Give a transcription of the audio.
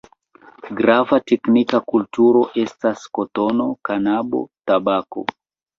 Grava teknika kulturo estas kotono, kanabo, tabako.